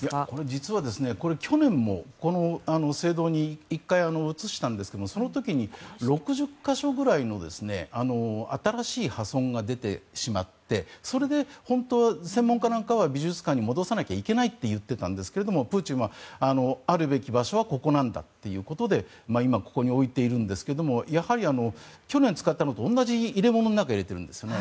実は去年もこの聖堂に１回移したんですがその時に６０か所くらいの新しい破損が出てしまってそれで本当は専門家なんかは美術館に戻さないといけないと言っていたんですがプーチンはあるべき場所はここなんだということで今、ここに置いているんですがやはり去年使ったのと同じ入れ物の中に入れているんですね。